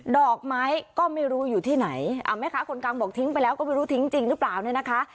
ดอกไม้ก็ไม่รู้อยู่ที่ไหนแม่ค้าคนกลางบอกทิ้งไปแล้วก็ไม่รู้ทิ้งจริงหรือเปล่าเนี่ยนะคะ